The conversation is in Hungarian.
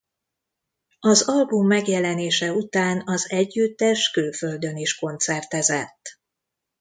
Az album megjelenése után az együttes külföldön is koncertezett.